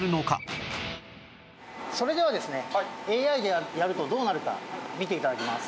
それではですねＡＩでやるとどうなるか見て頂きます。